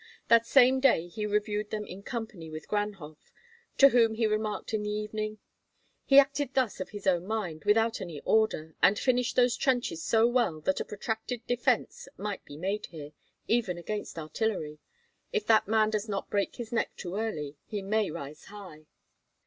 That same day he reviewed them in company with Ganhoff, to whom he remarked in the evening, "He acted thus of his own mind, without my order, and finished those trenches so well that a protracted defence might be made here, even against artillery. If that man does not break his neck too early, he may rise high."